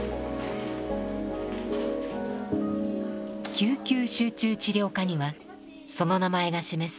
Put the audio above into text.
救急集中治療科にはその名前が示す